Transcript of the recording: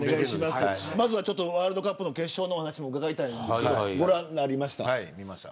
ワールドカップ決勝の話も伺いたいんですがご覧になりましたか。